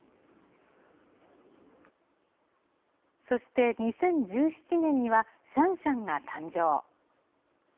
そして２０１７年には、シャンシャンが誕生。